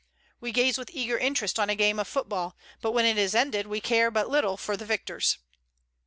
We gaze with eager interest on a game of football, but when it is ended we care but little for the victors.